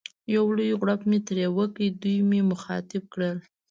یو لوی غړپ مې ترې وکړ، دوی مې مخاطب کړل.